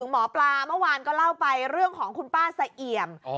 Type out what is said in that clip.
หมอปลาเมื่อวานก็เล่าไปเรื่องของคุณป้าสะเอี่ยม